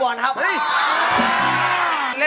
ผมมาโชว์สเตปฟุตบอลครับ